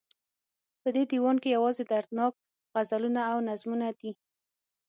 په دې ديوان کې يوازې دردناک غزلونه او نظمونه دي